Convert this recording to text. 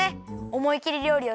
おもいきり